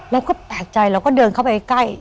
แล้วก็แปลกใจแล้วก็เดินเข้าไปใกล้